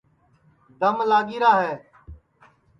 دم لاگی را ہے